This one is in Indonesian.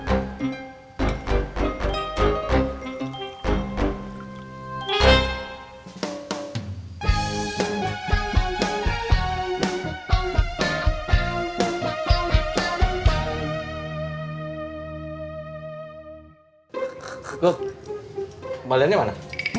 aduh kembaliannya mana